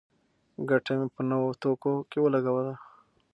ګټه مې په نوو توکو کې ولګوله.